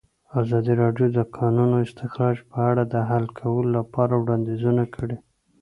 ازادي راډیو د د کانونو استخراج په اړه د حل کولو لپاره وړاندیزونه کړي.